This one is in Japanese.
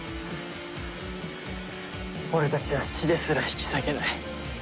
俺たちは死ですら引き裂けない。